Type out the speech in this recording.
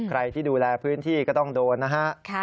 ใครที่ดูแลพื้นที่ก็ต้องโดนนะฮะ